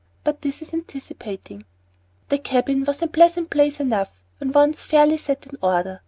But this is anticipating. The cabin was a pleasant place enough when once fairly set in order.